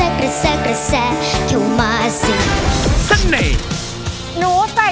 ถ่านมาสามก้อนค่ะ